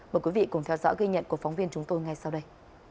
mời quý vị cùng theo dõi ghi nhận của phóng viên chúng tôi ngay sau đây